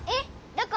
どこ？